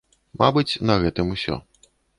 Мабыць, на гэтым усё.